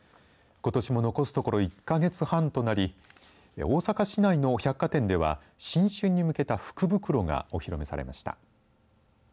ことしも残すところ１か月半となり大阪市内の百貨店では新春に向けた福袋がお披露目されました。